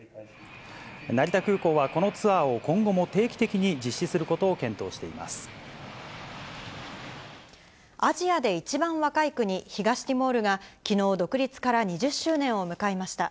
成田空港はこのツアーを今後も定期的に実施することを検討しアジアで一番若い国、東ティモールが、きのう、独立から２０周年を迎えました。